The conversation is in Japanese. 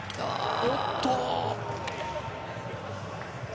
おっと。